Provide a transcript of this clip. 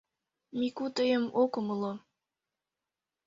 Мику тыйым ок умыло.